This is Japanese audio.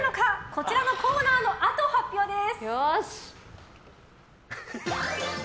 こちらのコーナーのあと発表です。